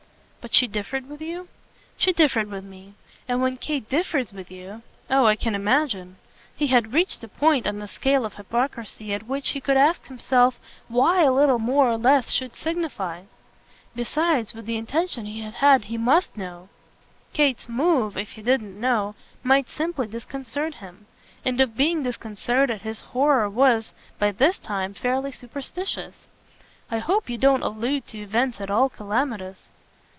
"But she differed with you?" "She differed with me. And when Kate differs with you !" "Oh I can imagine." He had reached the point in the scale of hypocrisy at which he could ask himself why a little more or less should signify. Besides, with the intention he had had he MUST know. Kate's move, if he didn't know, might simply disconcert him; and of being disconcerted his horror was by this time fairly superstitious. "I hope you don't allude to events at all calamitous."